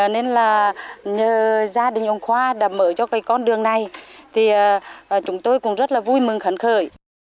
nên là gia đình ông khoa đã mở cho cái con đường này thì chúng tôi cũng rất là vui mừng phấn khởi